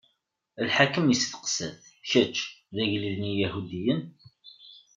Lḥakem isteqsa-t: Kečč, d agellid n Iyahudiyen?